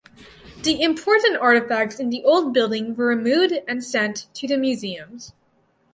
The important artefacts in the old building were removed and sent to the museums.